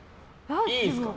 いいんですか？